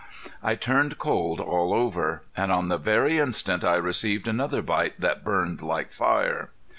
I turned cold all over. And on the very instant I received another bite that burned like fire.